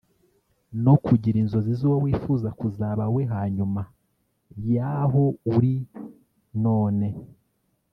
no kugira inzozi z’uwo wifuza kuzaba we hanyuma yaho uri none